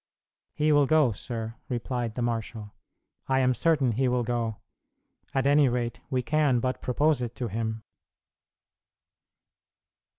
"He will go, sir," replied the marshal; "I am certain he will go: at any rate we can but propose it to him."